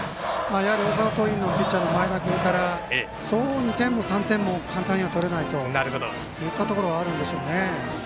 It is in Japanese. やはり大阪桐蔭のピッチャーの前田君からそう２点も３点も簡単に取れないといったところもあるんでしょうね。